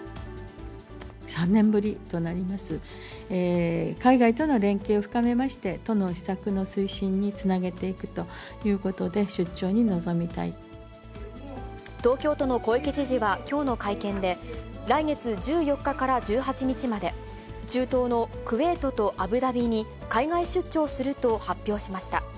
３年ぶりとなります、海外との連携を深めまして、都の施策の推進につなげていくということで、東京都の小池知事はきょうの会見で、来月１４日から１８日まで、中東のクウェートとアブダビに、海外出張すると発表しました。